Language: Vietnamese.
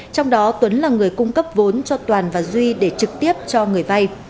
trong đó tuấn là người cung cấp vốn cho toàn và duy để trực tiếp cho người vay